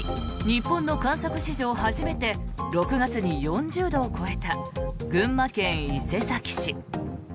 日本の観測史上初めて６月に４０度を超えた群馬県伊勢崎市。